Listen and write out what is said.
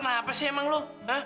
kenapa sih emang lu